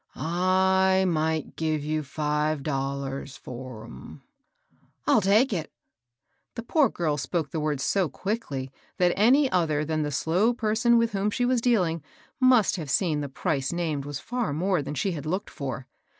" I miought give you five dollars for 'em.'* « I'll take it 1 " The poor girl spoke the words so quickly that any other than tfee slow person with whom she was dealing must have seen the price named was far more than she had looked for.